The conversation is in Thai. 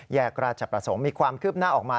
แยกราชประสงค์มีความคืบหน้าออกมา